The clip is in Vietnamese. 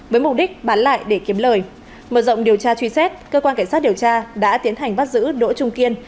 với mục đích bán lại để kiếm lời mở rộng điều tra truy xét cơ quan cảnh sát điều tra đã tiến hành bắt giữ đỗ trung kiên